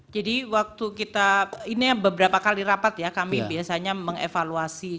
jadi waktu kita ini beberapa kali rapat ya kami biasanya mengevaluasi